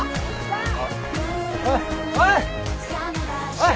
おい！